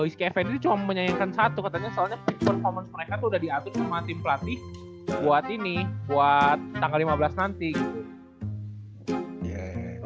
is kevin ini cuma menyayangkan satu katanya soalnya performance mereka tuh udah diatur sama tim pelatih buat ini buat tanggal lima belas nanti gitu